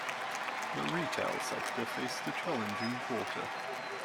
The retail sector faced a challenging quarter.